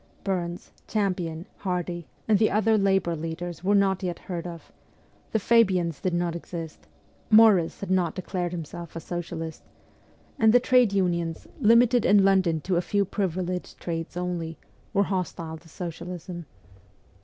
Burns, Champion, Hardie, and the other labour leaders were not yet heard of ; the Fabians did not exist ; Morris had not declared himself a socialist ; and the trade unions, limited in London to a few privileged trades only, were hostile to socialism.